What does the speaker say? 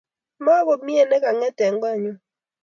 Makomie ne ka nget eng koonyuu